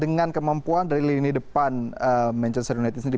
dengan kemampuan dari lini depan manchester united sendiri